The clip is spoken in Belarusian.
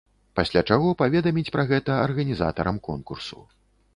Пасля чаго паведаміць пра гэта арганізатарам конкурсу.